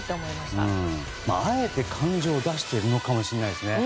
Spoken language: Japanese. あえて感情を出しているのかもしれないですね。